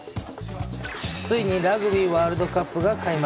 ついにラグビーワールドカップが開幕。